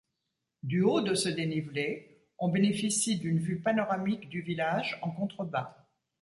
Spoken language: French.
Du haut de ce dénivelé, on bénéficie d'une vue panoramique du village en contrebas.